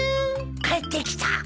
帰ってきた。